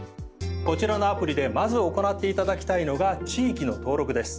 こちらのアプリでまず行っていただきたいのが地域の登録です。